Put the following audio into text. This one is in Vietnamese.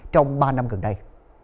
trong ba năm gần đây